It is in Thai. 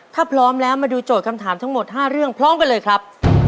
ถ้าพร้อมแล้วมาดูโจทย์คำถามทั้งหมด๕เรื่องพร้อมกันเลยครับ